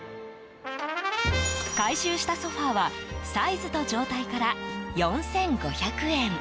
回収したソファはサイズと状態から４５００円。